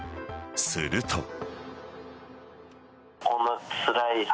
すると。